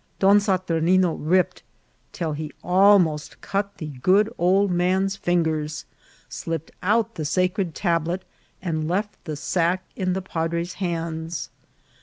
Don Saturnino ripped till he almost cut the good old man's fingers, slipped out the sacred tablet, and left the sack in the padre's hands.